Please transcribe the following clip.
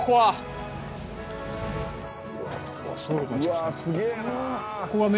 「うわっすげえな」